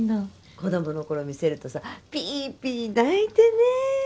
子どもの頃見せるとさピーピー泣いてね。